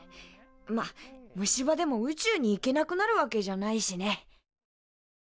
まあ虫歯でも宇宙に行けなくなるわけじゃないしね。